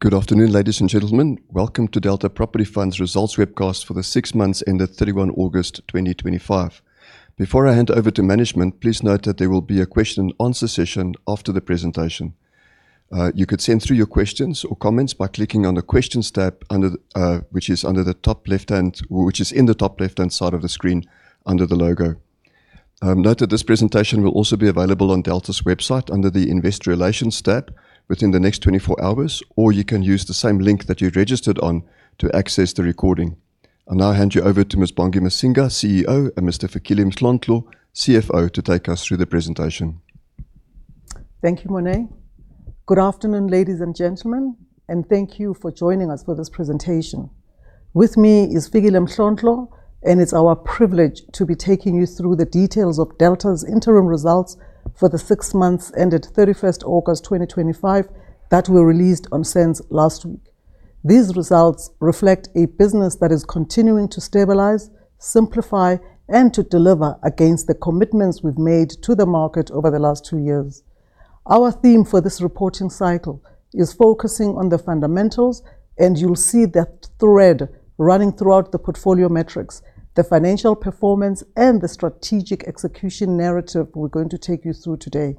Good afternoon, ladies and gentlemen. Welcome to Delta Property Fund's results webcast for the six months ended 31 August 2025. Before I hand over to management, please note that there will be a question and answer session after the presentation. You could send through your questions or comments by clicking on the questions tab, which is in the top left-hand side of the screen under the logo. Note that this presentation will also be available on Delta's website under the investor relations tab within the next 24 hours, or you can use the same link that you registered on to access the recording. I'll now hand you over to Ms. Bongi Masinga, CEO, and Mr. Fikile Mhlontlo, CFO, to take us through the presentation. Thank you, Monet. Good afternoon, ladies and gentlemen, and thank you for joining us for this presentation. With me is Fikile Mhlontlo, and it's our privilege to be taking you through the details of Delta's interim results for the six months ended 31st August 2025 that were released on SENS last week. These results reflect a business that is continuing to stabilize, simplify, and to deliver against the commitments we've made to the market over the last two years. Our theme for this reporting cycle is focusing on the fundamentals, and you'll see that thread running throughout the portfolio metrics, the financial performance, and the strategic execution narrative we're going to take you through today.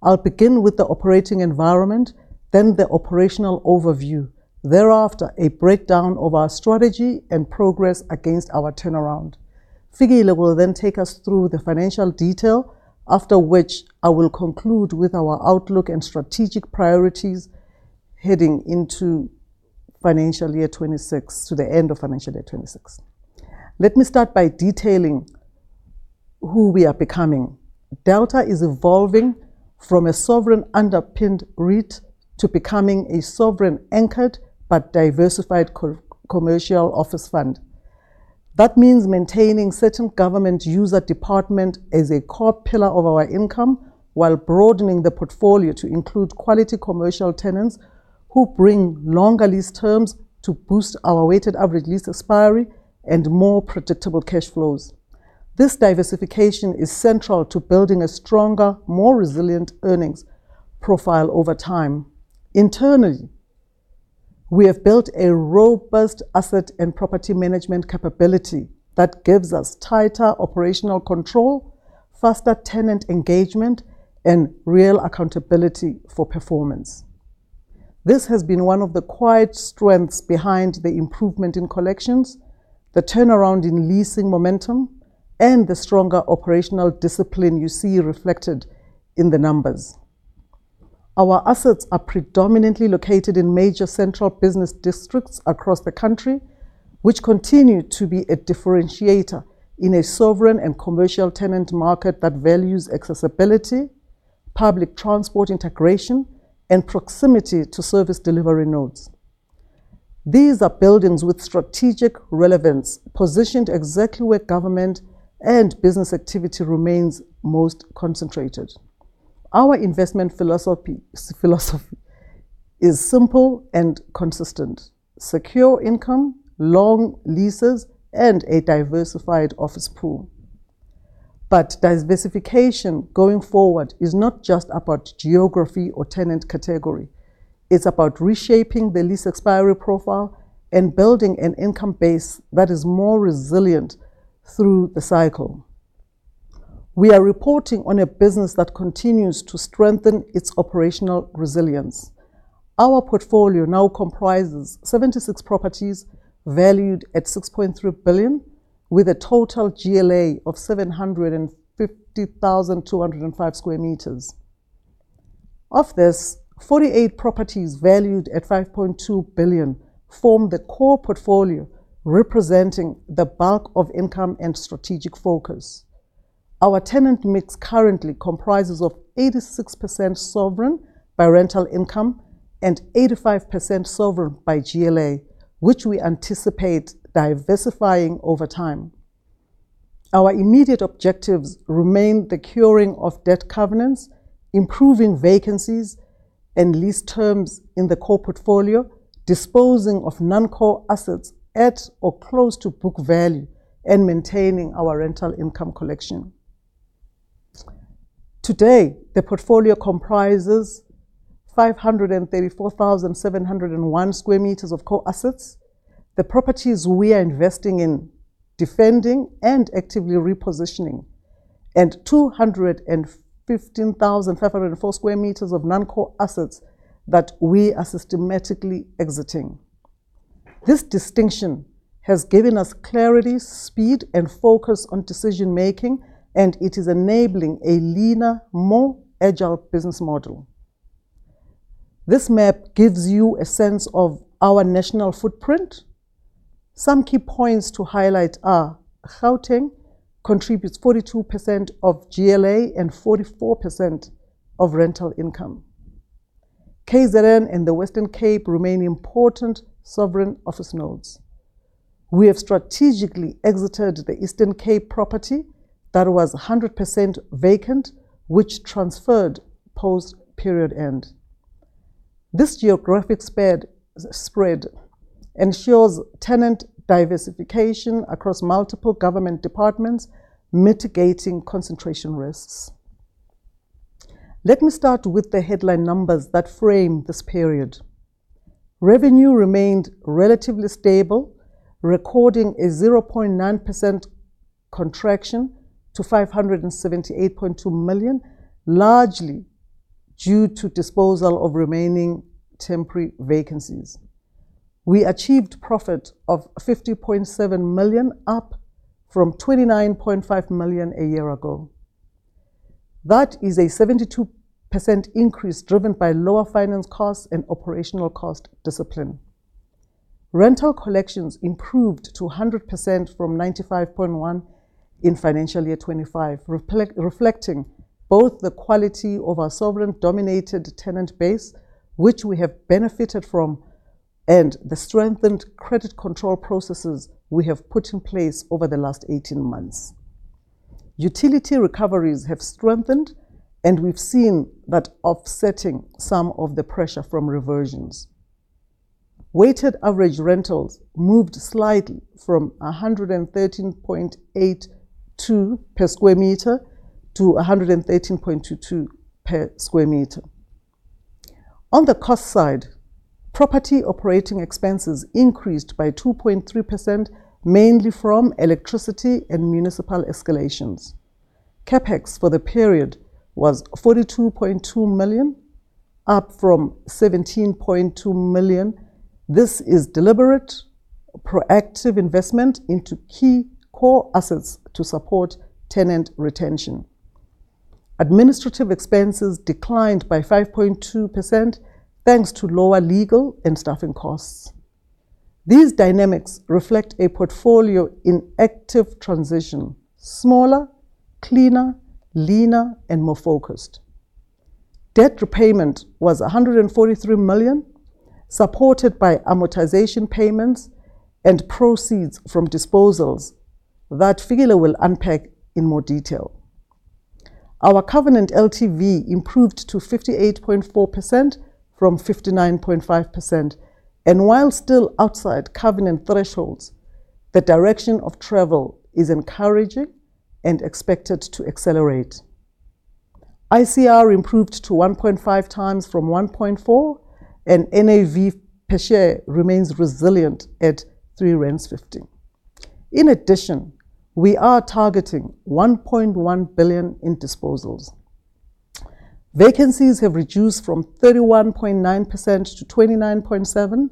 I'll begin with the operating environment, then the operational overview, thereafter a breakdown of our strategy and progress against our turnaround. Fikile will then take us through the financial detail, after which I will conclude with our outlook and strategic priorities heading into financial year 2026, to the end of financial year 2026. Let me start by detailing who we are becoming. Delta is evolving from a sovereign underpinned REIT to becoming a sovereign anchored but diversified commercial office fund. That means maintaining certain government user departments as a core pillar of our income while broadening the portfolio to include quality commercial tenants who bring longer lease terms to boost our weighted average lease expiry and more predictable cash flows. This diversification is central to building a stronger, more resilient earnings profile over time. Internally, we have built a robust asset and property management capability that gives us tighter operational control, faster tenant engagement, and real accountability for performance. This has been one of the quiet strengths behind the improvement in collections, the turnaround in leasing momentum, and the stronger operational discipline you see reflected in the numbers. Our assets are predominantly located in major central business districts across the country, which continue to be a differentiator in a sovereign and commercial tenant market that values accessibility, public transport integration, and proximity to service delivery nodes. These are buildings with strategic relevance, positioned exactly where government and business activity remains most concentrated. Our investment philosophy is simple and consistent: secure income, long leases, and a diversified office pool. Diversification going forward is not just about geography or tenant category. It is about reshaping the lease expiry profile and building an income base that is more resilient through the cycle. We are reporting on a business that continues to strengthen its operational resilience. Our portfolio now comprises 76 properties valued at 6.3 billion, with a total GLA of 750,205 sq m. Of this, 48 properties valued at 5.2 billion form the core portfolio representing the bulk of income and strategic focus. Our tenant mix currently comprises 86% sovereign by rental income and 85% sovereign by GLA, which we anticipate diversifying over time. Our immediate objectives remain the curing of debt covenants, improving vacancies, and lease terms in the core portfolio, disposing of non-core assets at or close to book value, and maintaining our rental income collection. Today, the portfolio comprises 534,701 sq m of core assets, the properties we are investing in, defending, and actively repositioning, and 215,504 sq m of non-core assets that we are systematically exiting. This distinction has given us clarity, speed, and focus on decision-making, and it is enabling a leaner, more agile business model. This map gives you a sense of our national footprint. Some key points to highlight are: Gauteng contributes 42% of GLA and 44% of rental income. KwaZulu-Natal and the Western Cape remain important sovereign office nodes. We have strategically exited the Eastern Cape property that was 100% vacant, which transferred post-period end. This geographic spread ensures tenant diversification across multiple government departments, mitigating concentration risks. Let me start with the headline numbers that frame this period. Revenue remained relatively stable, recording a 0.9% contraction to 578.2 million, largely due to disposal of remaining temporary vacancies. We achieved profit of 50.7 million, up from 29.5 million a year ago. That is a 72% increase driven by lower finance costs and operational cost discipline. Rental collections improved to 100% from 95.1% in financial year 2025, reflecting both the quality of our sovereign-dominated tenant base, which we have benefited from, and the strengthened credit control processes we have put in place over the last 18 months. Utility recoveries have strengthened, and we've seen that offsetting some of the pressure from reversions. Weighted average rentals moved slightly from 113.82 per sq m-ZAR 113.22 per sq m. On the cost side, property operating expenses increased by 2.3%, mainly from electricity and municipal escalations. CapEx for the period was 42.2 million, up from 17.2 million. This is deliberate, proactive investment into key core assets to support tenant retention. Administrative expenses declined by 5.2% thanks to lower legal and staffing costs. These dynamics reflect a portfolio in active transition: smaller, cleaner, leaner, and more focused. Debt repayment was 143 million, supported by amortization payments and proceeds from disposals that Fikile will unpack in more detail. Our covenant LTV improved to 58.4% from 59.5%, and while still outside covenant thresholds, the direction of travel is encouraging and expected to accelerate. ICR improved to 1.5 times from 1.4, and NAV per share remains resilient at 3.50 rand. In addition, we are targeting 1.1 billion in disposals. Vacancies have reduced from 31.9% to 29.7%,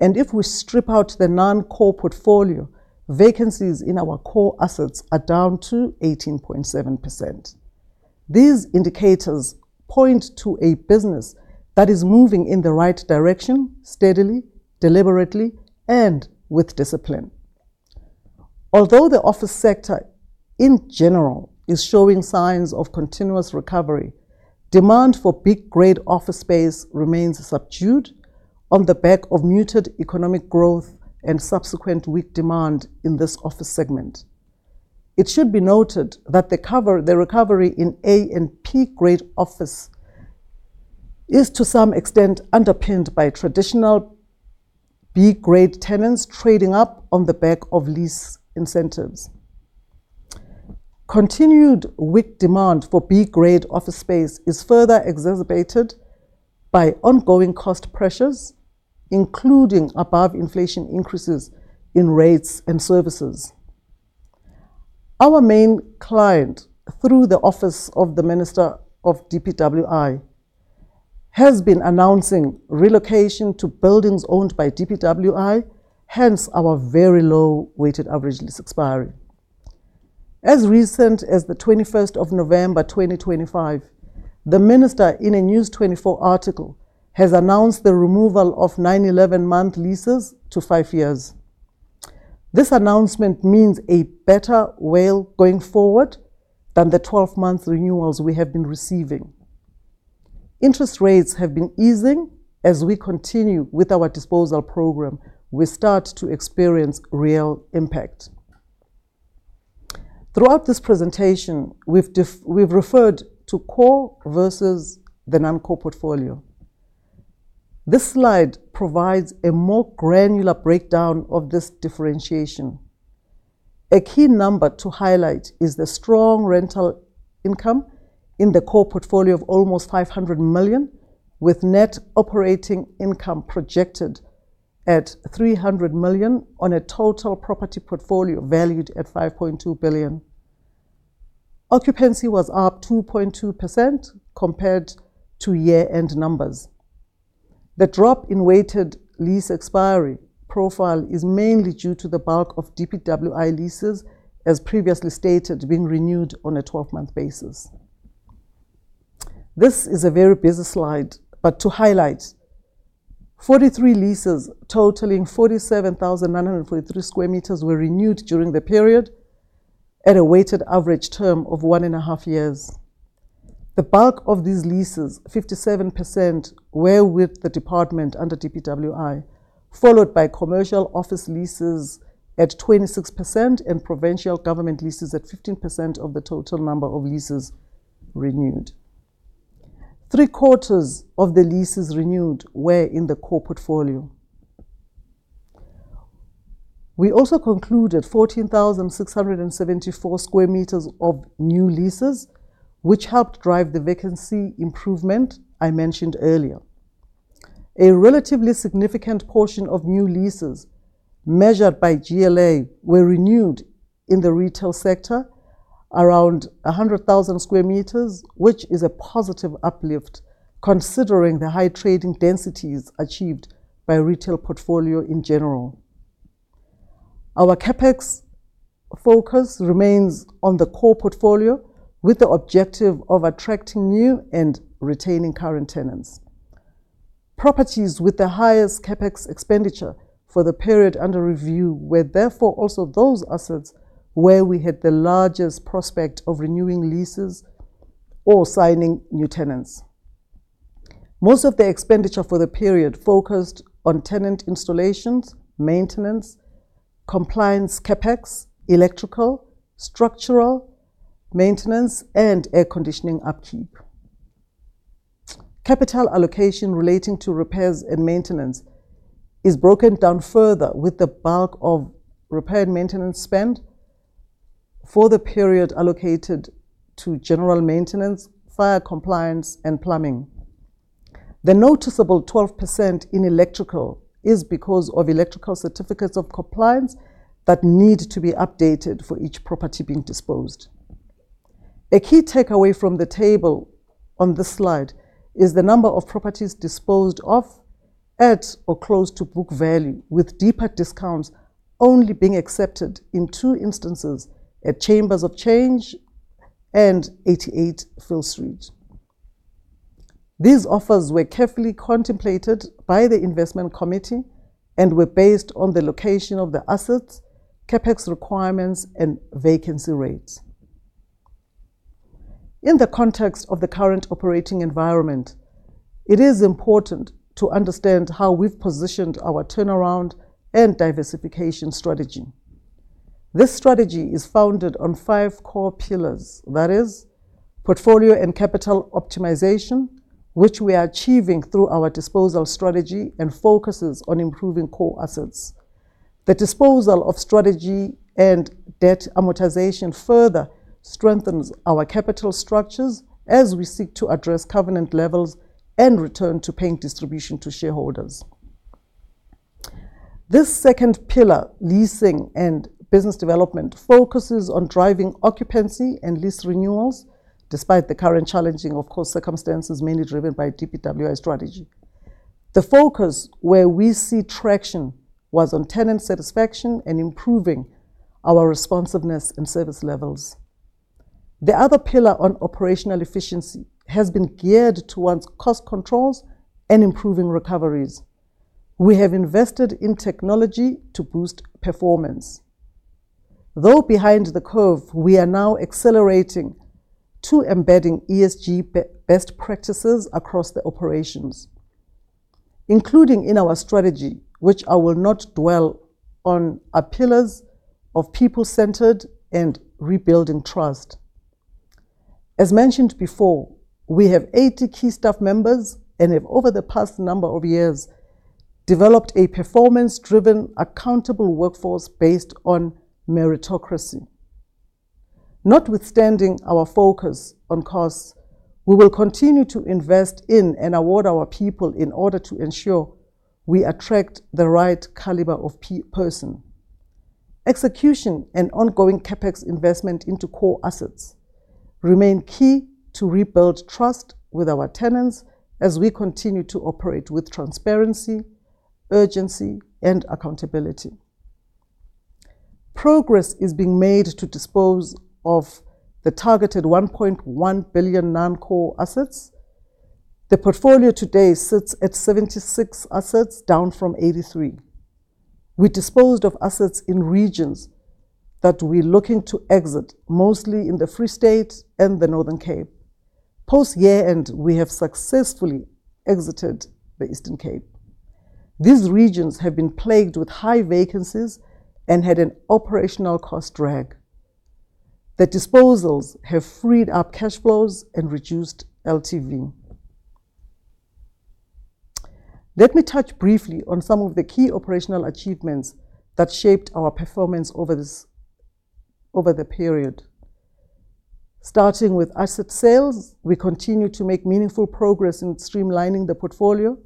and if we strip out the non-core portfolio, vacancies in our core assets are down to 18.7%. These indicators point to a business that is moving in the right direction steadily, deliberately, and with discipline. Although the office sector in general is showing signs of continuous recovery, demand for B-grade office space remains subdued on the back of muted economic growth and subsequent weak demand in this office segment. It should be noted that the recovery in A and P grade office is to some extent underpinned by traditional B-grade tenants trading up on the back of lease incentives. Continued weak demand for B grade office space is further exacerbated by ongoing cost pressures, including above-inflation increases in rates and services. Our main client, through the office of Minister of DPWI, has been announcing relocation to buildings owned by DPWI, hence our very low weighted average lease expiry. As recent as the 21st of November 2025, the Minister in a News24 article has announced the removal of 9-11-month leases to five years. This announcement means a better way going forward than the 12-month renewals we have been receiving. Interest rates have been easing as we continue with our disposal program. We start to experience real impact. Throughout this presentation, we've referred to core versus the non-core portfolio. This slide provides a more granular breakdown of this differentiation. A key number to highlight is the strong rental income in the core portfolio of almost 500 million, with net operating income projected at 300 million on a total property portfolio valued at 5.2 billion. Occupancy was up 2.2% compared to year-end numbers. The drop in weighted lease expiry profile is mainly due to the bulk of DPWI leases, as previously stated, being renewed on a 12-month basis. This is a very busy slide, but to highlight, 43 leases totaling 47,943 sq m were renewed during the period at a weighted average term of one and a half years. The bulk of these leases, 57%, were with the department under DPWI, followed by commercial office leases at 26% and provincial government leases at 15% of the total number of leases renewed. Three quarters of the leases renewed were in the core portfolio. We also concluded 14,674 sq m of new leases, which helped drive the vacancy improvement I mentioned earlier. A relatively significant portion of new leases measured by GLA were renewed in the retail sector, around 100,000 sq m, which is a positive uplift considering the high trading densities achieved by retail portfolio in general. Our CapEx focus remains on the core portfolio with the objective of attracting new and retaining current tenants. Properties with the highest CapEx expenditure for the period under review were therefore also those assets where we had the largest prospect of renewing leases or signing new tenants. Most of the expenditure for the period focused on tenant installations, maintenance, compliance, CapEx, electrical, structural maintenance, and air conditioning upkeep. Capital allocation relating to repairs and maintenance is broken down further with the bulk of repair and maintenance spend for the period allocated to general maintenance, fire compliance, and plumbing. The noticeable 12% in electrical is because of electrical certificates of compliance that need to be updated for each property being disposed. A key takeaway from the table on this slide is the number of properties disposed of at or close to book value, with deeper discounts only being accepted in two instances at Chambers of Change and 88 Field Street. These offers were carefully contemplated by the Investment Committee and were based on the location of the assets, CapEx requirements, and vacancy rates. In the context of the current operating environment, it is important to understand how we've positioned our turnaround and diversification strategy. This strategy is founded on five core pillars, that is, portfolio and capital optimization, which we are achieving through our disposal strategy and focuses on improving core assets. The disposal of strategy and debt amortization further strengthens our capital structures as we seek to address covenant levels and return to paying distribution to shareholders. This second pillar, leasing and business development, focuses on driving occupancy and lease renewals despite the current challenging, of course, circumstances mainly driven by DPWI strategy. The focus where we see traction was on tenant satisfaction and improving our responsiveness and service levels. The other pillar on operational efficiency has been geared towards cost controls and improving recoveries. We have invested in technology to boost performance. Though behind the curve, we are now accelerating to embedding ESG best practices across the operations, including in our strategy, which I will not dwell on, are pillars of people-centered and rebuilding trust. As mentioned before, we have 80 key staff members and have, over the past number of years, developed a performance-driven, accountable workforce based on meritocracy. Notwithstanding our focus on costs, we will continue to invest in and award our people in order to ensure we attract the right caliber of person. Execution and ongoing CapEx investment into core assets remain key to rebuild trust with our tenants as we continue to operate with transparency, urgency, and accountability. Progress is being made to dispose of the targeted 1.1 billion non-core assets. The portfolio today sits at 76 assets, down from 83. We disposed of assets in regions that we're looking to exit, mostly in the Free State and the Northern Cape. Post-year-end, we have successfully exited the Eastern Cape. These regions have been plagued with high vacancies and had an operational cost drag. The disposals have freed up cash flows and reduced LTV. Let me touch briefly on some of the key operational achievements that shaped our performance over the period. Starting with asset sales, we continue to make meaningful progress in streamlining the portfolio.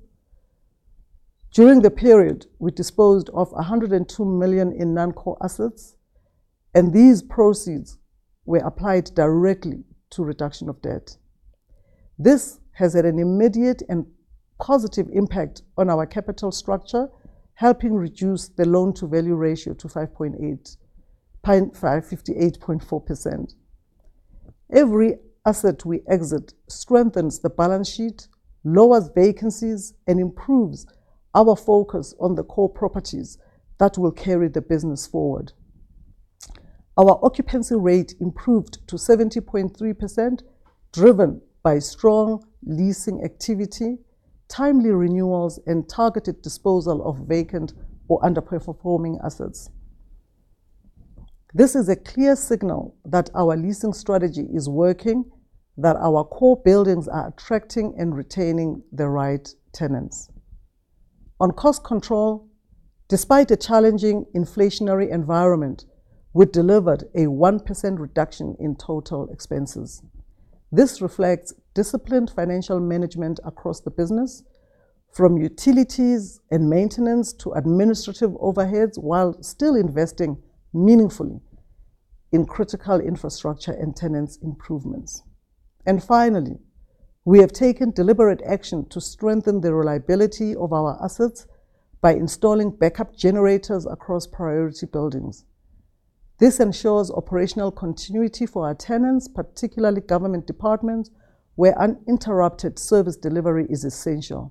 During the period, we disposed of 102 million in non-core assets, and these proceeds were applied directly to reduction of debt. This has had an immediate and positive impact on our capital structure, helping reduce the loan-to-value ratio to 58.4%. Every asset we exit strengthens the balance sheet, lowers vacancies, and improves our focus on the core properties that will carry the business forward. Our occupancy rate improved to 70.3%, driven by strong leasing activity, timely renewals, and targeted disposal of vacant or underperforming assets. This is a clear signal that our leasing strategy is working, that our core buildings are attracting and retaining the right tenants. On cost control, despite a challenging inflationary environment, we delivered a 1% reduction in total expenses. This reflects disciplined financial management across the business, from utilities and maintenance to administrative overheads, while still investing meaningfully in critical infrastructure and tenants' improvements. Finally, we have taken deliberate action to strengthen the reliability of our assets by installing backup generators across priority buildings. This ensures operational continuity for our tenants, particularly government departments, where uninterrupted service delivery is essential,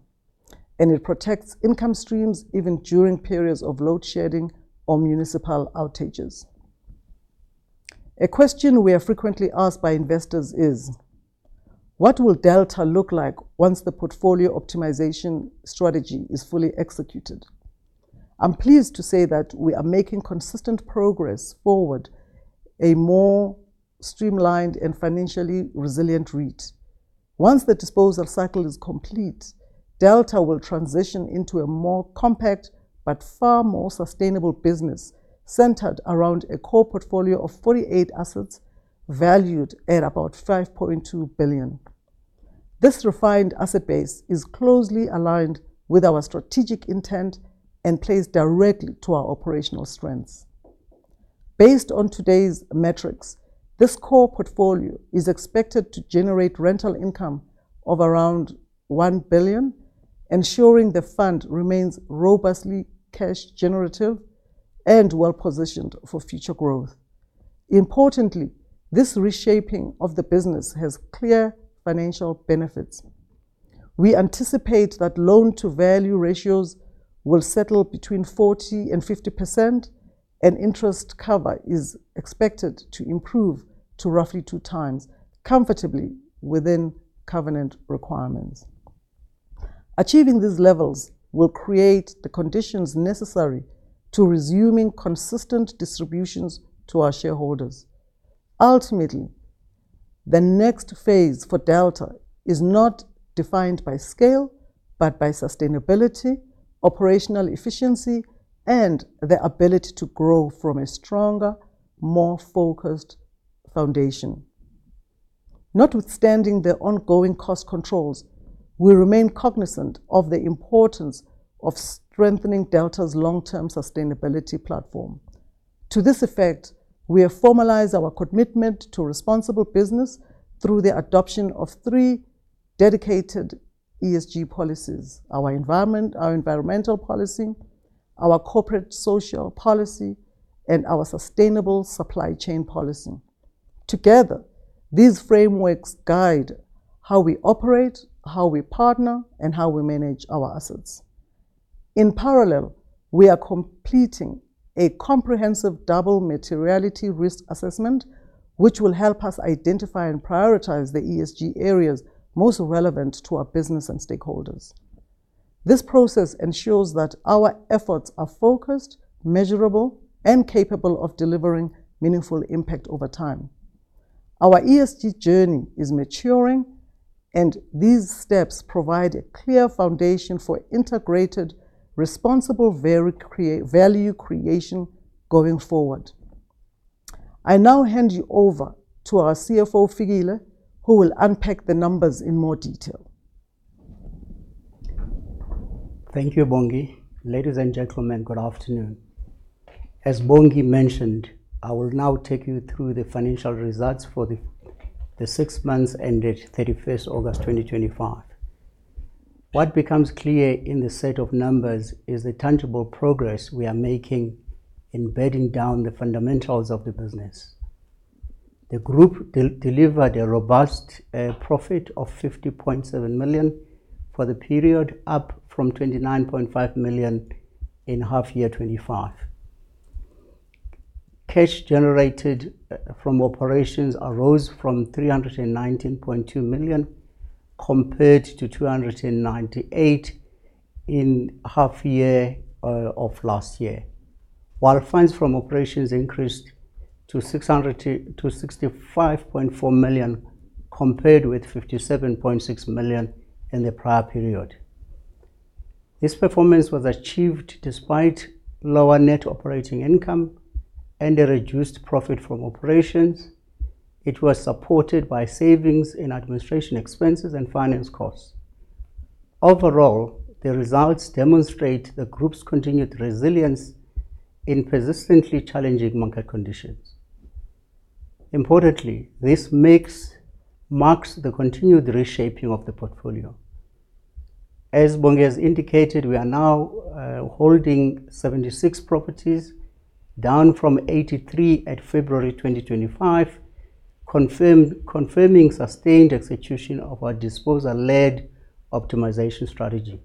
and it protects income streams even during periods of load shedding or municipal outages. A question we are frequently asked by investors is, what will Delta look like once the portfolio optimization strategy is fully executed? I'm pleased to say that we are making consistent progress forward, a more streamlined and financially resilient REIT. Once the disposal cycle is complete, Delta will transition into a more compact but far more sustainable business centered around a core portfolio of 48 assets valued at about 5.2 billion. This refined asset base is closely aligned with our strategic intent and plays directly to our operational strengths. Based on today's metrics, this core portfolio is expected to generate rental income of around 1 billion, ensuring the fund remains robustly cash-generative and well-positioned for future growth. Importantly, this reshaping of the business has clear financial benefits. We anticipate that loan-to-value ratios will settle between 40% and 50%, and interest cover is expected to improve to roughly two times, comfortably within covenant requirements. Achieving these levels will create the conditions necessary to resuming consistent distributions to our shareholders. Ultimately, the next phase for Delta is not defined by scale, but by sustainability, operational efficiency, and the ability to grow from a stronger, more focused foundation. Notwithstanding the ongoing cost controls, we remain cognizant of the importance of strengthening Delta's long-term sustainability platform. To this effect, we have formalized our commitment to responsible business through the adoption of three dedicated ESG policies: our environmental policy, our corporate social policy, and our sustainable supply chain policy. Together, these frameworks guide how we operate, how we partner, and how we manage our assets. In parallel, we are completing a comprehensive double materiality risk assessment, which will help us identify and prioritize the ESG areas most relevant to our business and stakeholders. This process ensures that our efforts are focused, measurable, and capable of delivering meaningful impact over time. Our ESG journey is maturing, and these steps provide a clear foundation for integrated, responsible value creation going forward. I now hand you over to our CFO, Fikile, who will unpack the numbers in more detail. Thank you, Bongi. Ladies and gentlemen, good afternoon. As Bongi mentioned, I will now take you through the financial results for the six months ended 31st August 2025. What becomes clear in the set of numbers is the tangible progress we are making in bedding down the fundamentals of the business. The group delivered a robust profit of 50.7 million for the period, up from 29.5 million in half-year 2025. Cash generated from operations arose from 319.2 million compared to 298 million in half-year of last year, while funds from operations increased to 665.4 million compared with 57.6 million in the prior period. This performance was achieved despite lower net operating income and a reduced profit from operations. It was supported by savings in administration expenses and finance costs. Overall, the results demonstrate the group's continued resilience in persistently challenging market conditions. Importantly, this marks the continued reshaping of the portfolio. As Bongi has indicated, we are now holding 76 properties, down from 83 at February 2025, confirming sustained execution of our disposal-led optimization strategy.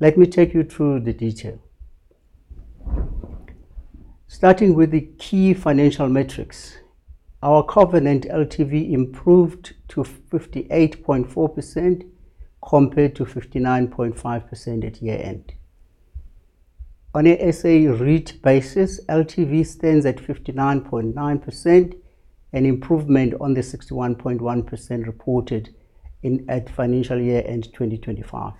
Let me take you through the detail. Starting with the key financial metrics, our covenant LTV improved to 58.4% compared to 59.5% at year-end. On an SA REIT basis, LTV stands at 59.9%, an improvement on the 61.1% reported at financial year-end 2025.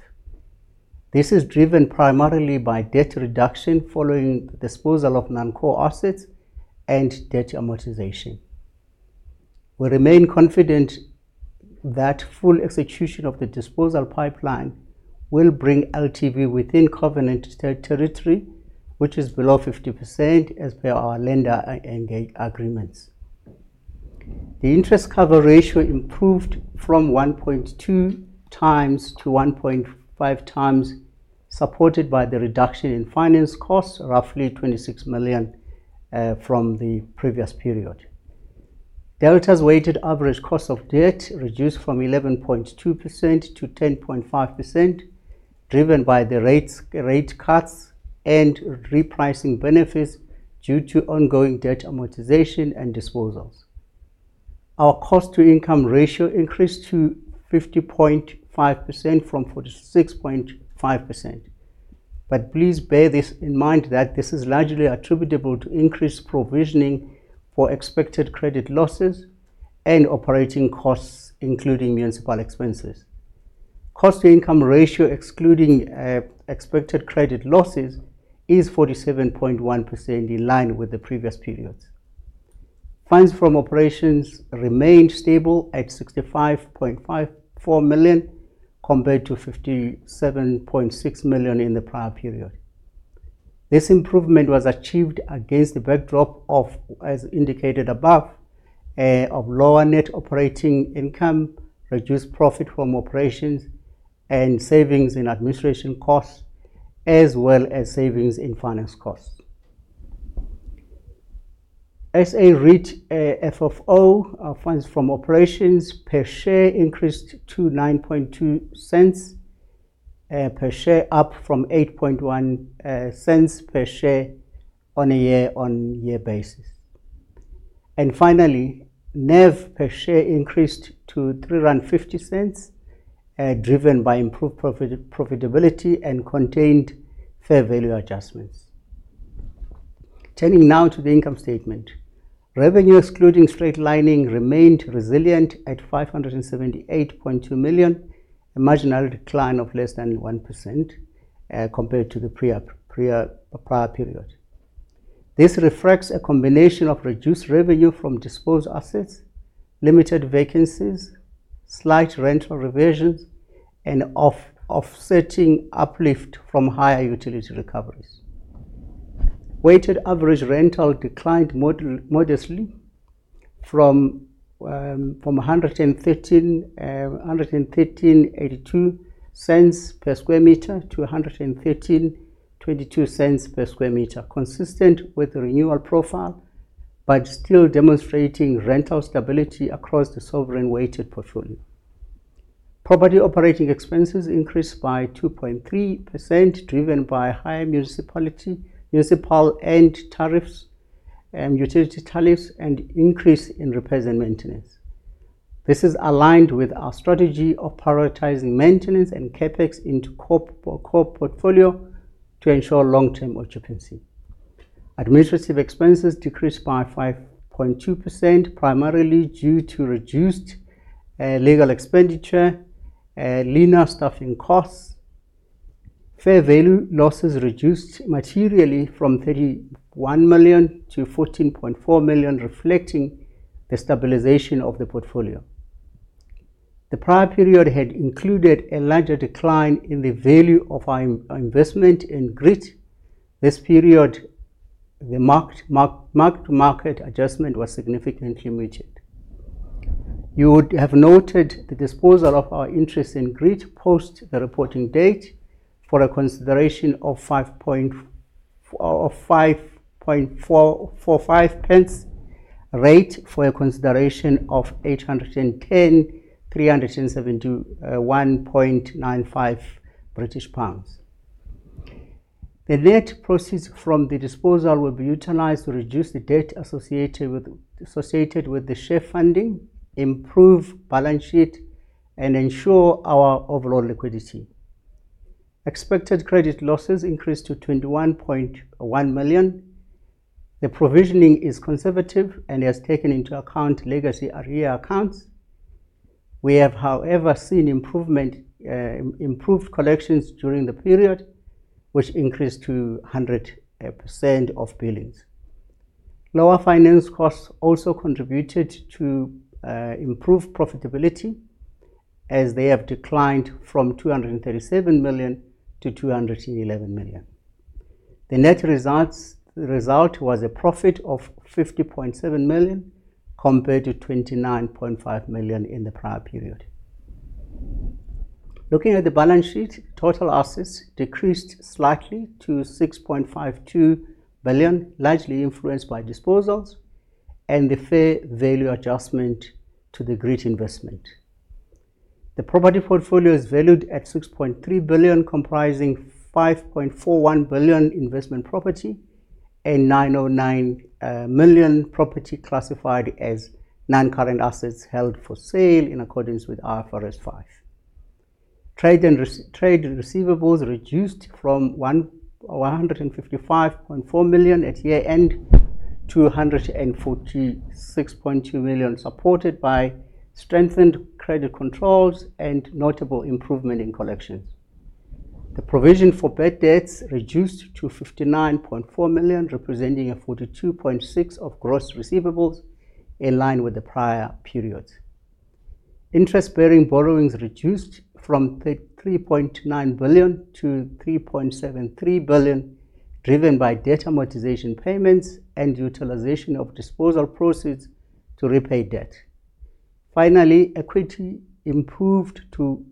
This is driven primarily by debt reduction following disposal of non-core assets and debt amortization. We remain confident that full execution of the disposal pipeline will bring LTV within covenant territory, which is below 50% as per our lender agreements. The interest cover ratio improved from 1.2 times to 1.5 times, supported by the reduction in finance costs, roughly 26 million from the previous period. Delta's weighted average cost of debt reduced from 11.2% to 10.5%, driven by the rate cuts and repricing benefits due to ongoing debt amortization and disposals. Our cost-to-income ratio increased to 50.5% from 46.5%. Please bear this in mind that this is largely attributable to increased provisioning for expected credit losses and operating costs, including municipal expenses. Cost-to-income ratio excluding expected credit losses is 47.1%, in line with the previous periods. Funds from operations remained stable at 65.4 million compared to 57.6 million in the prior period. This improvement was achieved against the backdrop of, as indicated above, of lower net operating income, reduced profit from operations, and savings in administration costs, as well as savings in finance costs. SA REIT FFO, funds from operations per share increased to 0.092 per share, up from 0.081 per share on a year-on-year basis. Finally, NAV per share increased to 3.50, driven by improved profitability and contained fair value adjustments. Turning now to the income statement, revenue excluding straightlining remained resilient at 578.2 million, a marginal decline of less than 1% compared to the prior period. This reflects a combination of reduced revenue from disposed assets, limited vacancies, slight rental revisions, and offsetting uplift from higher utility recoveries. Weighted average rental declined modestly from 113.82 cents per square meter to 113.22 cents per square meter, consistent with the renewal profile, but still demonstrating rental stability across the sovereign weighted portfolio. Property operating expenses increased by 2.3%, driven by higher municipal end tariffs and utility tariffs and increase in repairs and maintenance. This is aligned with our strategy of prioritizing maintenance and CapEx into core portfolio to ensure long-term occupancy. Administrative expenses decreased by 5.2%, primarily due to reduced legal expenditure, leaner staffing costs. Fair value losses reduced materially from 31 million to 14.4 million, reflecting the stabilization of the portfolio. The prior period had included a larger decline in the value of our investment in REIT. This period, the marked market adjustment was significantly muted. You would have noted the disposal of our interest in REIT post the reporting date for a consideration of 5.45 pence rate for a consideration of 810,371.95 British pounds. The net proceeds from the disposal will be utilized to reduce the debt associated with the share funding, improve balance sheet, and ensure our overall liquidity. Expected credit losses increased to 21.1 million. The provisioning is conservative and has taken into account legacy area accounts. We have, however, seen improved collections during the period, which increased to 100% of billings. Lower finance costs also contributed to improved profitability, as they have declined from 237 million to 211 million. The net result was a profit of 50.7 million compared to 29.5 million in the prior period. Looking at the balance sheet, total assets decreased slightly to 6.52 billion, largely influenced by disposals and the fair value adjustment to the REIT investment. The property portfolio is valued at 6.3 billion, comprising 5.41 billion investment property and 909 million property classified as non-current assets held for sale in accordance with IFRS 5. Trade receivables reduced from 155.4 million at year-end to 146.2 million, supported by strengthened credit controls and notable improvement in collections. The provision for bad debts reduced to 59.4 million, representing a 42.6% of gross receivables, in line with the prior period. Interest-bearing borrowings reduced from 3.9 billion to 3.73 billion, driven by debt amortization payments and utilization of disposal proceeds to repay debt. Finally, equity improved to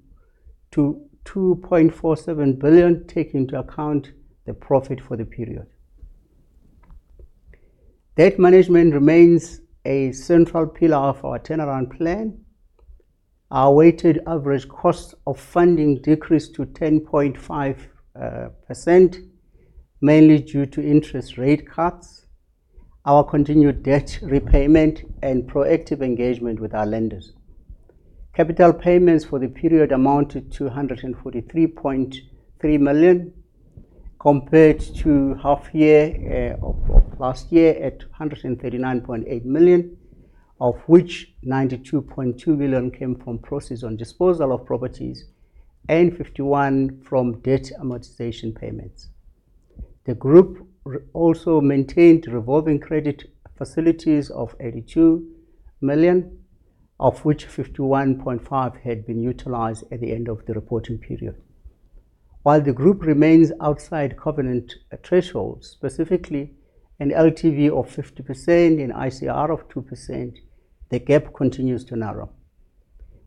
2.47 billion, taking into account the profit for the period. Debt management remains a central pillar of our turnaround plan. Our weighted average cost of funding decreased to 10.5%, mainly due to interest rate cuts, our continued debt repayment, and proactive engagement with our lenders. Capital payments for the period amounted to 243.3 million compared to half-year of last year at 139.8 million, of which 92.2 million came from proceeds on disposal of properties and 51 million from debt amortization payments. The group also maintained revolving credit facilities of 82 million, of which 51.5 million had been utilized at the end of the reporting period. While the group remains outside covenant thresholds, specifically an LTV of 50% and ICR of 2%, the gap continues to narrow.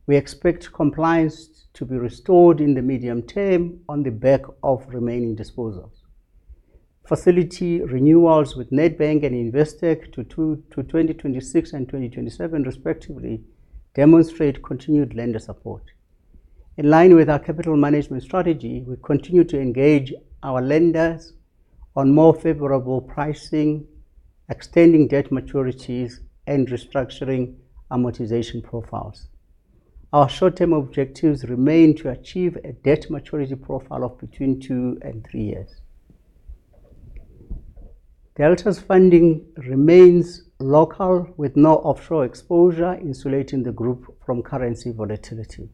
We expect compliance to be restored in the medium term on the back of remaining disposals. Facility renewals with Nedbank and Investec to 2026 and 2027, respectively, demonstrate continued lender support. In line with our capital management strategy, we continue to engage our lenders on more favorable pricing, extending debt maturities, and restructuring amortization profiles. Our short-term objectives remain to achieve a debt maturity profile of between two and three years. Delta's funding remains local with no offshore exposure, insulating the group from currency volatility.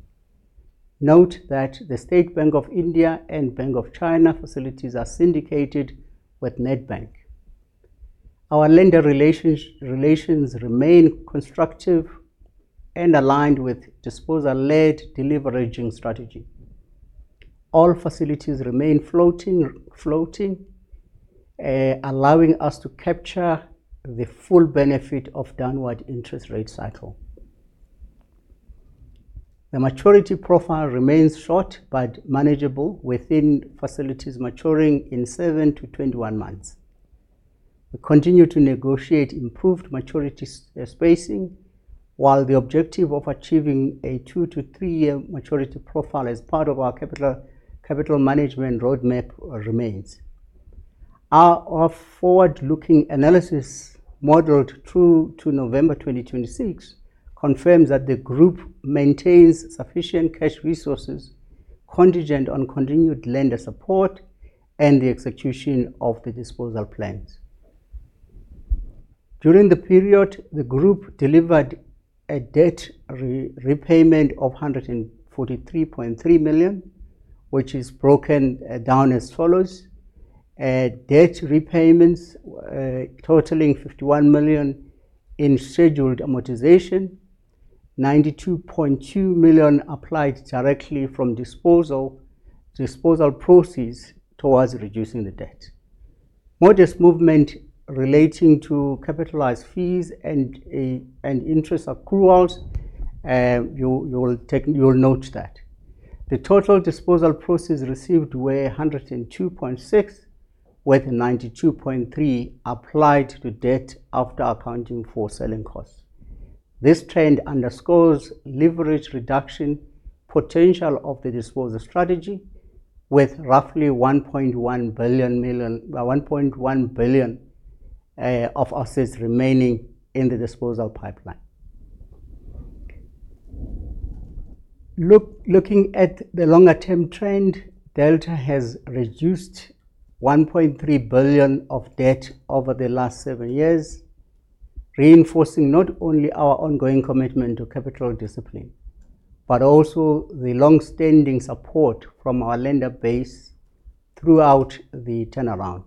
Note that the State Bank of India and Bank of China facilities are syndicated with Nedbank. Our lender relations remain constructive and aligned with disposal-led deleveraging strategy. All facilities remain floating, allowing us to capture the full benefit of the downward interest rate cycle. The maturity profile remains short but manageable within facilities maturing in 7-21 months. We continue to negotiate improved maturity spacing, while the objective of achieving a two to three-year maturity profile as part of our capital management roadmap remains. Our forward-looking analysis modeled through to November 2026 confirms that the group maintains sufficient cash resources, contingent on continued lender support and the execution of the disposal plans. During the period, the group delivered a debt repayment of 143.3 million, which is broken down as follows: debt repayments totaling 51 million in scheduled amortization, 92.2 million applied directly from disposal proceeds towards reducing the debt. Modest movement relating to capitalized fees and interest accruals, you will note that. The total disposal proceeds received were 102.6 million, with 92.3 million applied to debt after accounting for selling costs. This trend underscores leverage reduction potential of the disposal strategy, with roughly 1.1 billion of assets remaining in the disposal pipeline. Looking at the longer-term trend, Delta has reduced 1.3 billion of debt over the last seven years, reinforcing not only our ongoing commitment to capital discipline, but also the long-standing support from our lender base throughout the turnaround.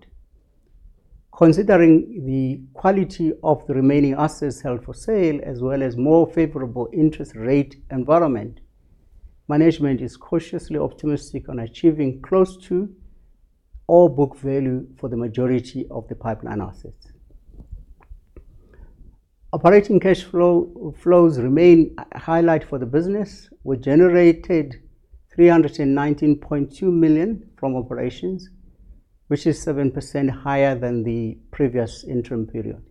Considering the quality of the remaining assets held for sale, as well as a more favorable interest rate environment, management is cautiously optimistic on achieving close to all book value for the majority of the pipeline assets. Operating cash flows remain a highlight for the business, which generated 319.2 million from operations, which is 7% higher than the previous interim period.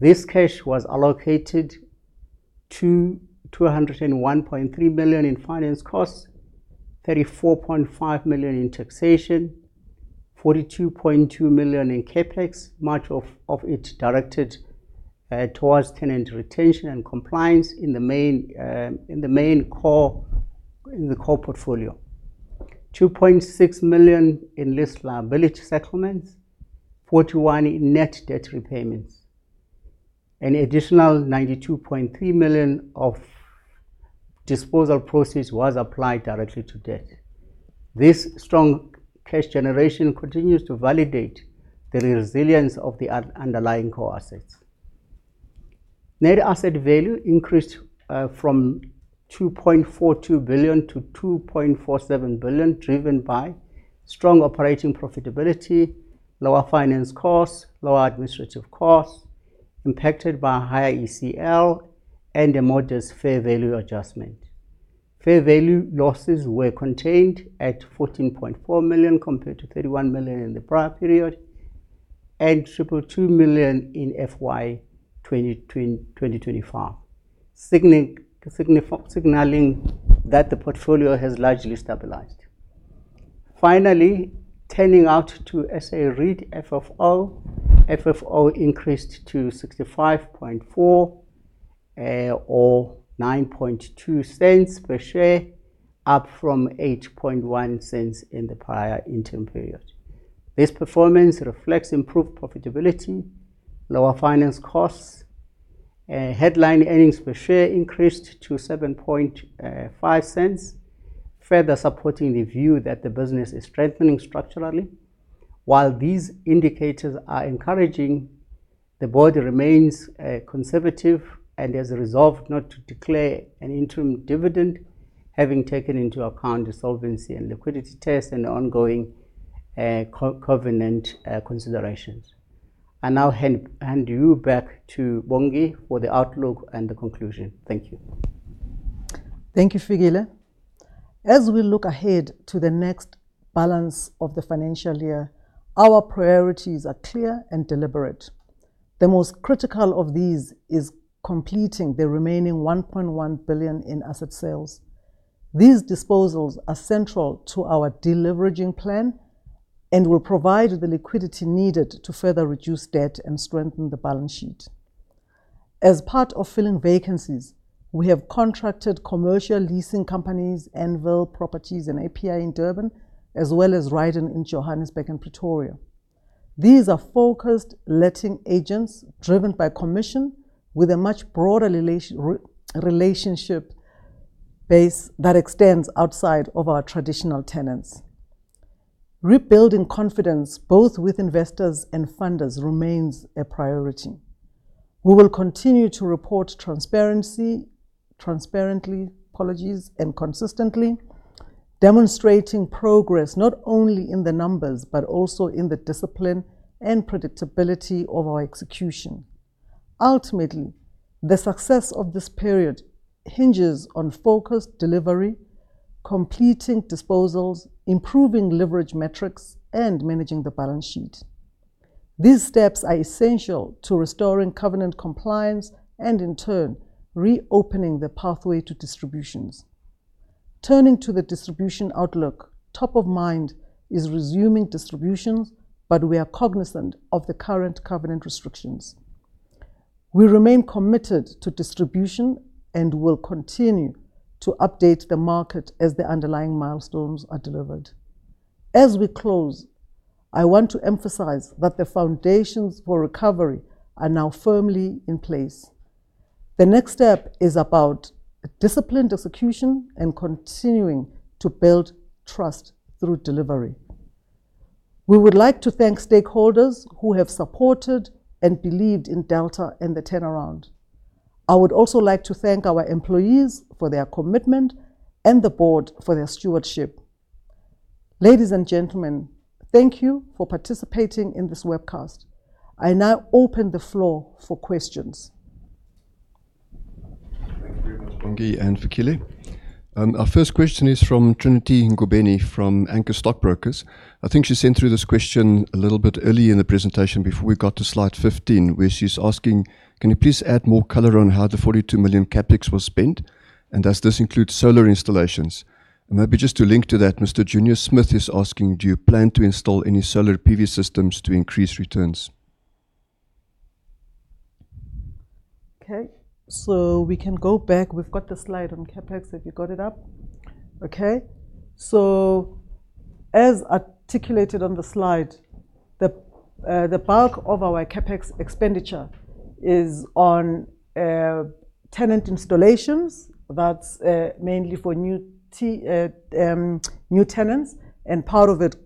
This cash was allocated to 201.3 million in finance costs, 34.5 million in taxation, 42.2 million in CapEx, much of it directed towards tenant retention and compliance in the main core portfolio, 2.6 million in list liability settlements, 41 million in net debt repayments. An additional 92.3 million of disposal proceeds was applied directly to debt. This strong cash generation continues to validate the resilience of the underlying core assets. Net asset value increased from 2.42 billion to 2.47 billion, driven by strong operating profitability, lower finance costs, lower administrative costs, impacted by higher ECL and a modest fair value adjustment. Fair value losses were contained at 14.4 million compared to 31 million in the prior period and 222 million in FY 2025, signaling that the portfolio has largely stabilized. Finally, turning out to SA REIT FFO, FFO increased to 65.4 million or 9.2 cents per share, up from 8.1 cents in the prior interim period. This performance reflects improved profitability, lower finance costs. Headline earnings per share increased to 7.5 cents, further supporting the view that the business is strengthening structurally. While these indicators are encouraging, the board remains conservative and has resolved not to declare an interim dividend, having taken into account the solvency and liquidity test and ongoing covenant considerations. I now hand you back to Bongi for the outlook and the conclusion. Thank you. Thank you, Fikile. As we look ahead to the next balance of the financial year, our priorities are clear and deliberate. The most critical of these is completing the remaining 1.1 billion in asset sales. These disposals are central to our deleveraging plan and will provide the liquidity needed to further reduce debt and strengthen the balance sheet. As part of filling vacancies, we have contracted commercial leasing companies, ANVIL PROPERTY and API in Durban, as well as Ryden in Johannesburg and Pretoria. These are focused letting agents driven by commission, with a much broader relationship base that extends outside of our traditional tenants. Rebuilding confidence both with investors and funders remains a priority. We will continue to report transparently, consistently, and with apologies, demonstrating progress not only in the numbers but also in the discipline and predictability of our execution. Ultimately, the success of this period hinges on focused delivery, completing disposals, improving leverage metrics, and managing the balance sheet. These steps are essential to restoring covenant compliance and, in turn, reopening the pathway to distributions. Turning to the distribution outlook, top of mind is resuming distributions, but we are cognizant of the current covenant restrictions. We remain committed to distribution and will continue to update the market as the underlying milestones are delivered. As we close, I want to emphasize that the foundations for recovery are now firmly in place. The next step is about disciplined execution and continuing to build trust through delivery. We would like to thank stakeholders who have supported and believed in Delta and the turnaround. I would also like to thank our employees for their commitment and the board for their stewardship. Ladies and gentlemen, thank you for participating in this webcast. I now open the floor for questions. Thank you very much, Bongi and Fikile. Our first question is from Trinity Ngobeni from Anchor Stockbrokers. I think she sent through this question a little bit early in the presentation before we got to slide 15, where she's asking, can you please add more color on how the 42 million CapEx was spent? Does this include solar installations? Maybe just to link to that, Mr. Junior Smith is asking, do you plan to install any solar PV systems to increase returns? Okay. We can go back. We've got the slide on CapEx, if you got it up. Okay. As articulated on the slide, the bulk of our CapEx expenditure is on tenant installations. That's mainly for new tenants, and part of it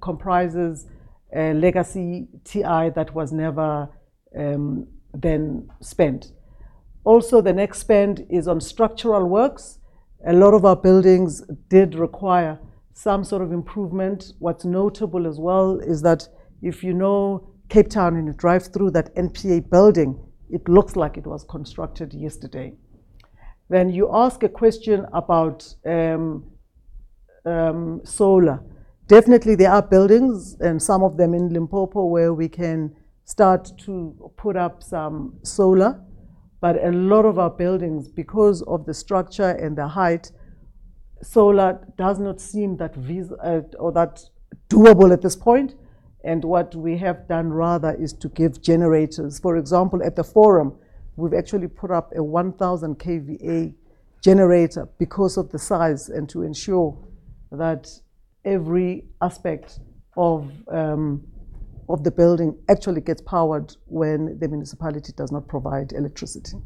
comprises legacy TI that was never then spent. Also, the next spend is on structural works. A lot of our buildings did require some sort of improvement. What's notable as well is that if you know Cape Town in a drive-through, that NPA building, it looks like it was constructed yesterday. When you ask a question about solar, definitely there are buildings, and some of them in Limpopo where we can start to put up some solar, but a lot of our buildings, because of the structure and the height, solar does not seem that doable at this point. What we have done rather is to give generators. For example, at the forum, we've actually put up a 1,000 kVA generator because of the size and to ensure that every aspect of the building actually gets powered when the municipality does not provide electricity.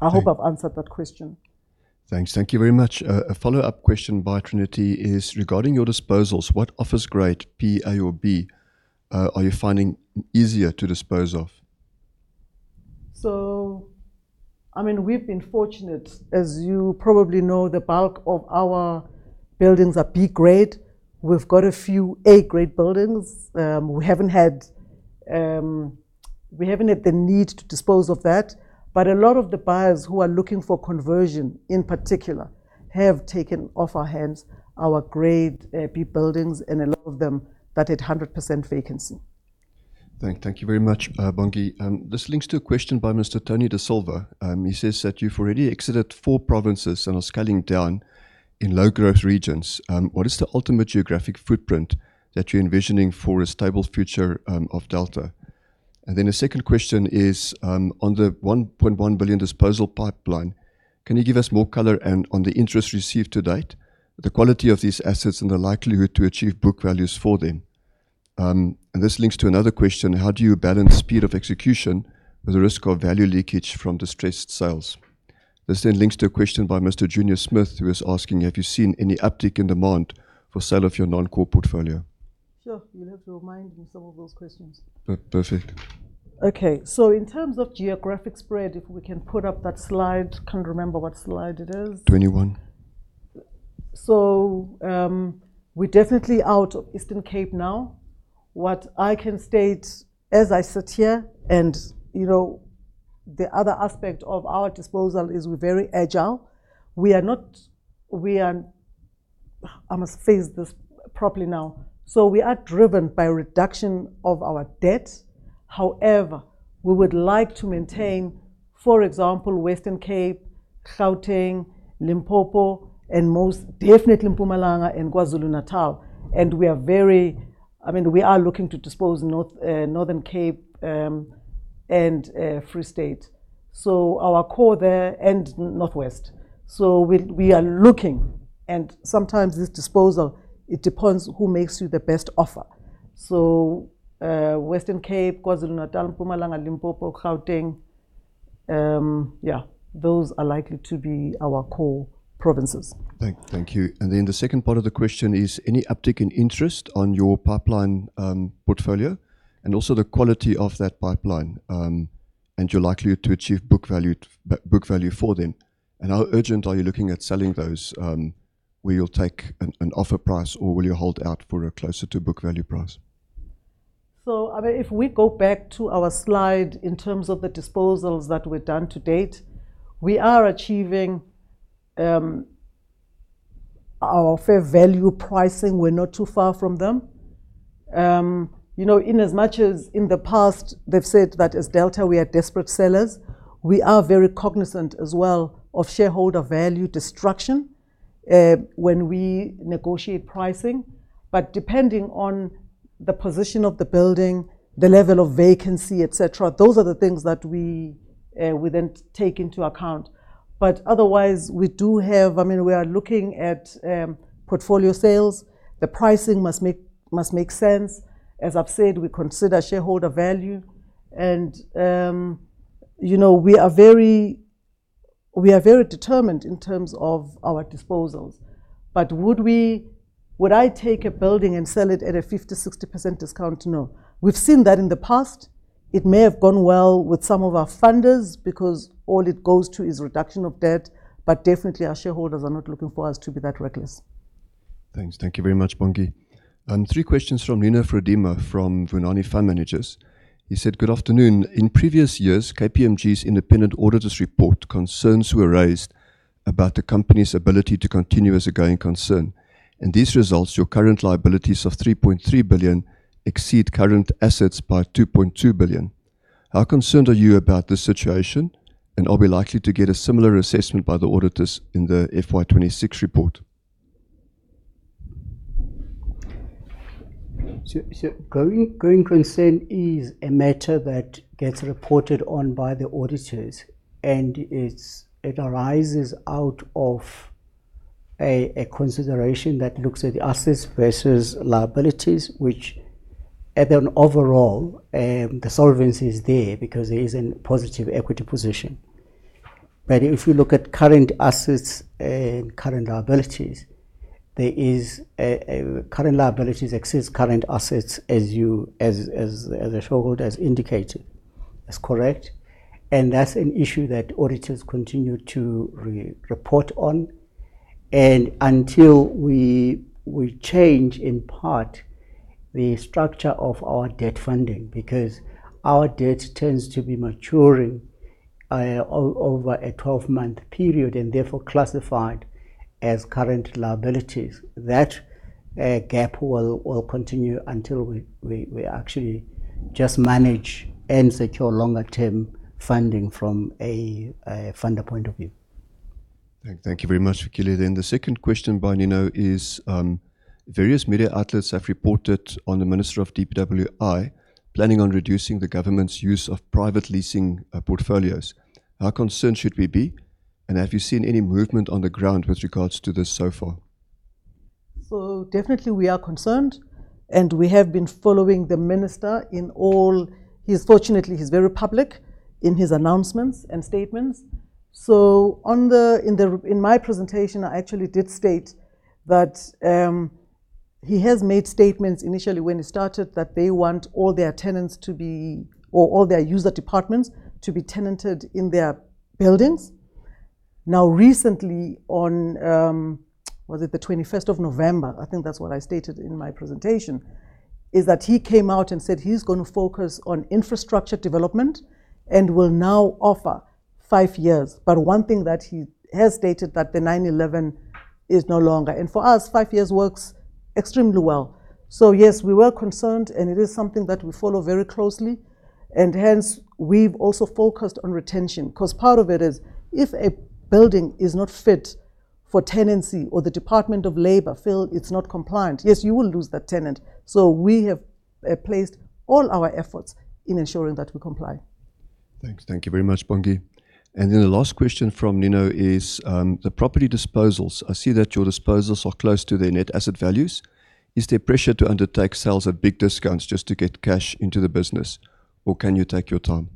I hope I've answered that question. Thanks. Thank you very much. A follow-up question by Trinity is regarding your disposals. What office grade, P, A, or B are you finding easier to dispose of? I mean, we've been fortunate. As you probably know, the bulk of our buildings are B-grade. We've got a few A-grade buildings. We haven't had the need to dispose of that. A lot of the buyers who are looking for conversion, in particular, have taken off our hands our grade B buildings and a lot of them that had 100% vacancy. Thank you very much, Bongi. This links to a question by Mr. Tony DeSilva. He says that you've already exited four provinces and are scaling down in low-growth regions. What is the ultimate geographic footprint that you're envisioning for a stable future of Delta? A second question is on the 1.1 billion disposal pipeline. Can you give us more color on the interest received to date, the quality of these assets, and the likelihood to achieve book values for them? This links to another question. How do you balance speed of execution with the risk of value leakage from distressed sales? This then links to a question by Mr. Junior Smith, who is asking, have you seen any uptick in demand for sale of your non-core portfolio? Sure. You'll have to remind me of some of those questions. Perfect. In terms of geographic spread, if we can put up that slide, can't remember what slide it is. 21. We're definitely out of Eastern Cape now. What I can state as I sit here and the other aspect of our disposal is we're very agile. I must phrase this properly now. We are driven by reduction of our debt. However, we would like to maintain, for example, Western Cape, Gauteng, Limpopo, and most definitely Mpumalanga and KwaZulu-Natal. I mean, we are looking to dispose Northern Cape and Free State. Our core there and North West. We are looking. Sometimes this disposal, it depends who makes you the best offer. Western Cape, KwaZulu-Natal, Limpopo, Gauteng, yeah, those are likely to be our core provinces. Thank you. The second part of the question is, any uptick in interest on your pipeline portfolio and also the quality of that pipeline and your likelihood to achieve book value for them? How urgent are you looking at selling those? Will you take an offer price, or will you hold out for a closer-to-book value price? I mean, if we go back to our slide in terms of the disposals that we've done to date, we are achieving our fair value pricing. We're not too far from them. In as much as in the past, they've said that as Delta, we are desperate sellers. We are very cognizant as well of shareholder value destruction when we negotiate pricing. Depending on the position of the building, the level of vacancy, etc., those are the things that we then take into account. Otherwise, we do have—I mean, we are looking at portfolio sales. The pricing must make sense. As I have said, we consider shareholder value. We are very determined in terms of our disposals. Would I take a building and sell it at a 50%-60% discount? No. We have seen that in the past. It may have gone well with some of our funders because all it goes to is reduction of debt. Definitely, our shareholders are not looking for us to be that reckless. Thanks. Thank you very much, Bongi. Three questions from Nino Frodema from Vunani Fund Managers. He said, "Good afternoon. In previous years, KPMG's independent auditors report concerns were raised about the company's ability to continue as a going concern. In these results, your current liabilities of 3.3 billion exceed current assets by 2.2 billion. How concerned are you about this situation? Are we likely to get a similar assessment by the auditors in the FY 2026 report? Going concern is a matter that gets reported on by the auditors, and it arises out of a consideration that looks at assets versus liabilities, which at an overall, the solvency is there because there is a positive equity position. If you look at current assets and current liabilities, current liabilities exceed current assets, as you, as a shareholder, have indicated. That's correct. That's an issue that auditors continue to report on. Until we change in part the structure of our debt funding because our debt tends to be maturing over a 12-month period and therefore classified as current liabilities, that gap will continue until we actually just manage and secure longer-term funding from a funder point of view. Thank you very much, Fikile. The second question by Nino is, various media outlets have reported on the Minister of DPWI planning on reducing the government's use of private leasing portfolios. How concerned should we be? Have you seen any movement on the ground with regards to this so far? Definitely, we are concerned, and we have been following the Minister in all—he's fortunately, he's very public in his announcements and statements. In my presentation, I actually did state that he has made statements initially when he started that they want all their tenants to be—or all their user departments to be tenanted in their buildings. Now, recently, on—was it the 21st of November? I think that's what I stated in my presentation—is that he came out and said he's going to focus on infrastructure development and will now offer five years. One thing that he has stated is that the 9/11 is no longer. For us, five years works extremely well. Yes, we were concerned, and it is something that we follow very closely. Hence, we have also focused on retention because part of it is if a building is not fit for tenancy or the Department of Labor feel it is not compliant, you will lose that tenant. We have placed all our efforts in ensuring that we comply. Thanks. Thank you very much, Bongi. The last question from Nino is the property disposals. I see that your disposals are close to their net asset values. Is there pressure to undertake sales at big discounts just to get cash into the business, or can you take your time?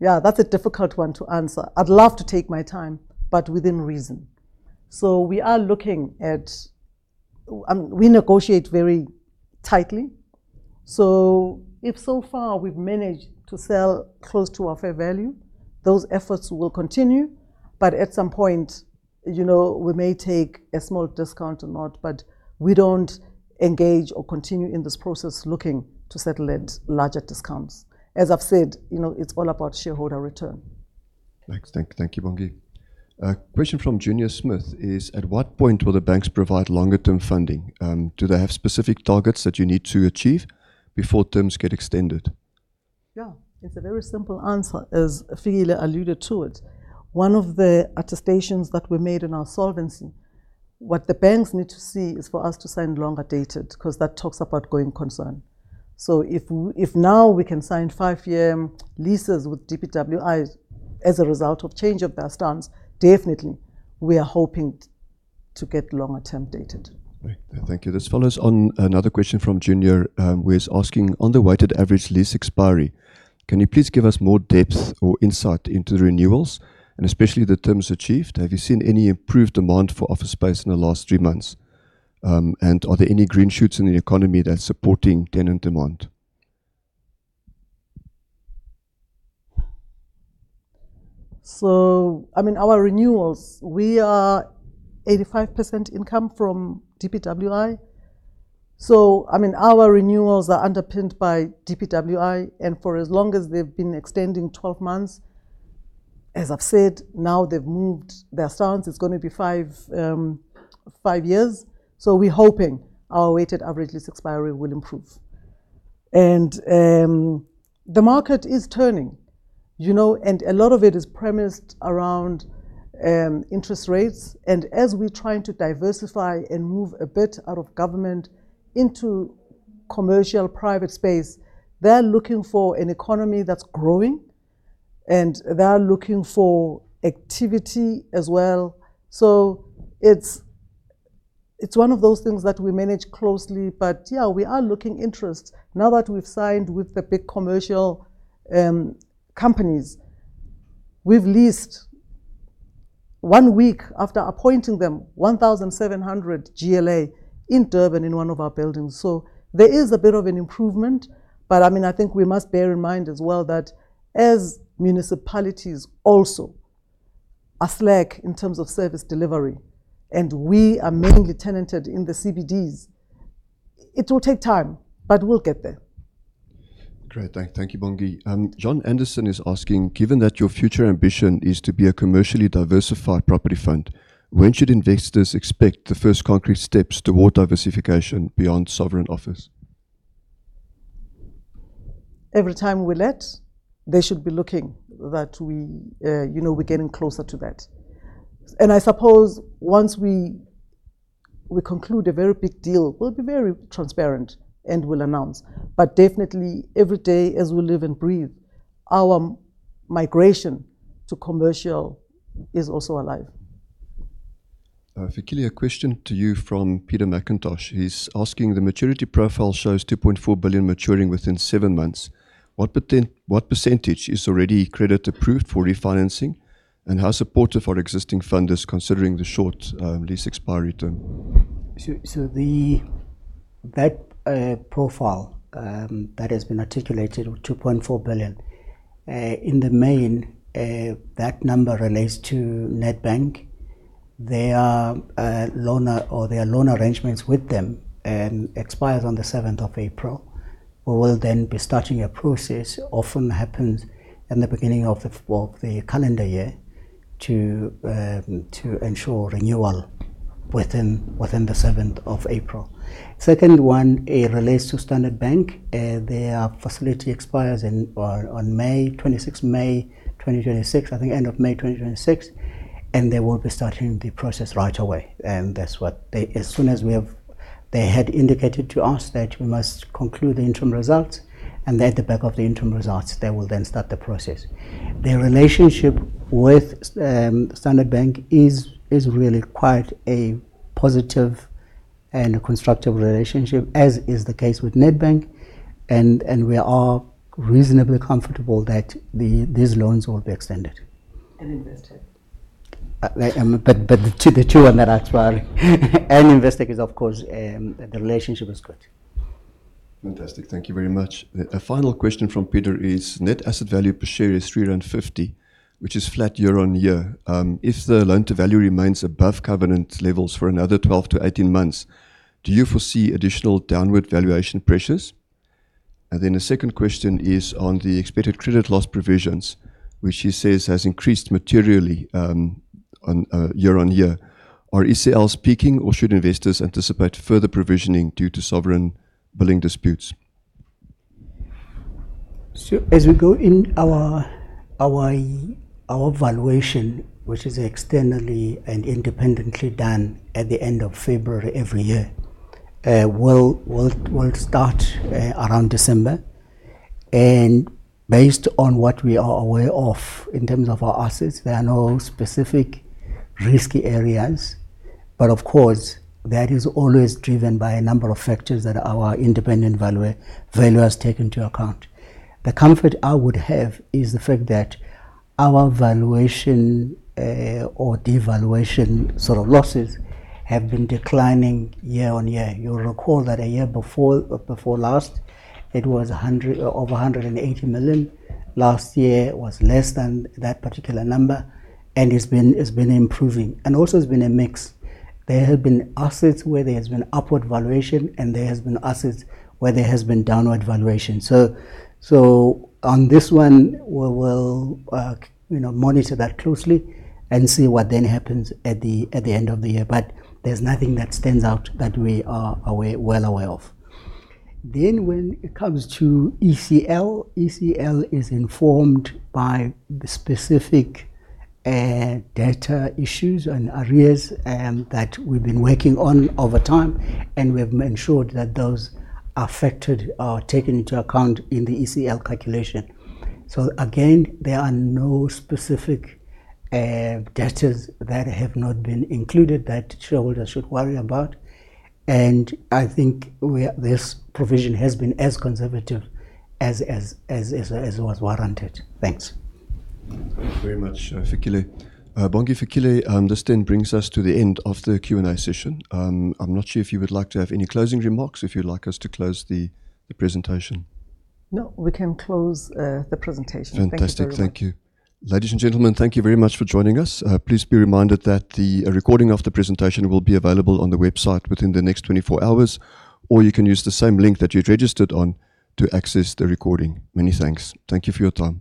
Yeah, that is a difficult one to answer. I would love to take my time, but within reason. We are looking at—we negotiate very tightly. If so far we've managed to sell close to our fair value, those efforts will continue. At some point, we may take a small discount or not, but we do not engage or continue in this process looking to settle at larger discounts. As I have said, it is all about shareholder return. Thanks. Thank you, Bongi. A question from Junior Smith is, at what point will the banks provide longer-term funding? Do they have specific targets that you need to achieve before terms get extended? Yeah, it is a very simple answer, as Fikile alluded to it. One of the attestations that we made in our solvency, what the banks need to see is for us to sign longer dated because that talks about going concern. If now we can sign 5-year leases with DPWI as a result of change of their stance, definitely we are hoping to get longer-term dated. Thank you. This follows on another question from Junior, who is asking, underwrited average lease expiry. Can you please give us more depth or insight into the renewals and especially the terms achieved? Have you seen any improved demand for office space in the last three months? Are there any green shoots in the economy that's supporting tenant demand? I mean, our renewals, we are 85% income from DPWI. I mean, our renewals are underpinned by DPWI. For as long as they've been extending 12 months, as I've said, now they've moved their stance. It's going to be five years. We're hoping our weighted average lease expiry will improve. The market is turning. A lot of it is premised around interest rates. As we're trying to diversify and move a bit out of government into commercial private space, they're looking for an economy that's growing, and they're looking for activity as well. It is one of those things that we manage closely. Yeah, we are looking interest. Now that we've signed with the big commercial companies, we've leased one week after appointing them 1,700 GLA in Durban in one of our buildings. There is a bit of an improvement. I think we must bear in mind as well that as municipalities also are slack in terms of service delivery, and we are mainly tenanted in the CBDs, it will take time, but we'll get there. Great. Thank you, Bongi. Jon Andersen is asking, given that your future ambition is to be a commercially diversified property fund, when should investors expect the first concrete steps toward diversification beyond sovereign office? Every time we let, they should be looking that we're getting closer to that. I suppose once we conclude a very big deal, we'll be very transparent and we'll announce. Definitely, every day as we live and breathe, our migration to commercial is also alive. Fikile, a question to you from Peter McIntosh. He's asking, the maturity profile shows 2.4 billion maturing within seven months. What percentage is already credit approved for refinancing, and how supportive are existing funders considering the short lease expiry term? That profile that has been articulated of 2.4 billion, in the main, that number relates to Nedbank. They are loan arrangements with them and expires on the 7th of April. We will then be starting a process, often happens at the beginning of the calendar year, to ensure renewal within the 7th of April. Second one, it relates to Standard Bank. Their facility expires on May 26, May 2026, I think end of May 2026, and they will be starting the process right away. That is what they—as soon as they had indicated to us that we must conclude the interim results, and at the back of the interim results, they will then start the process. Their relationship with Standard Bank is really quite a positive and constructive relationship, as is the case with Nedbank. We are reasonably comfortable that these loans will be extended. Investing is, of course, the relationship is good. Fantastic. Thank you very much. A final question from Peter is, net asset value per share is 350, which is flat year on year. If the loan-to-value remains above covenant levels for another 12-18 months, do you foresee additional downward valuation pressures? The second question is on the expected credit loss provisions, which he says has increased materially year-on-year. Are ECLs peaking, or should investors anticipate further provisioning due to sovereign billing disputes? As we go in our valuation, which is externally and independently done at the end of February every year, we will start around December. Based on what we are aware of in terms of our assets, there are no specific risky areas. Of course, that is always driven by a number of factors that our independent valuer has taken into account. The comfort I would have is the fact that our valuation or devaluation sort of losses have been declining year on year. You'll recall that a year before last, it was over 180 million. Last year, it was less than that particular number, and it's been improving. It has been a mix. There have been assets where there has been upward valuation, and there have been assets where there has been downward valuation. On this one, we will monitor that closely and see what then happens at the end of the year. There is nothing that stands out that we are well aware of. When it comes to ECL, ECL is informed by the specific data issues and areas that we've been working on over time, and we've ensured that those affected are taken into account in the ECL calculation. There are no specific data that have not been included that shareholders should worry about. I think this provision has been as conservative as was warranted. Thanks Thank you very much, Fikile. Bongi, Fikile, this then brings us to the end of the Q&A session. I'm not sure if you would like to have any closing remarks or if you'd like us to close the presentation. No, we can close the presentation. Thank you. Fantastic. Thank you. Ladies and gentlemen, thank you very much for joining us. Please be reminded that the recording of the presentation will be available on the website within the next 24 hours, or you can use the same link that you've registered on to access the recording. Many thanks. Thank you for your time.